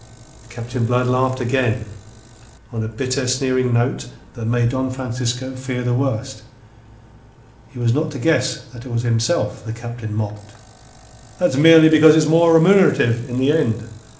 Captain Blood laughed again, on a bitter, sneering note that made Don Francisco fear the worst. He was not to guess that it was himself the Captain mocked. "That's merely because it's more remunerative in the end.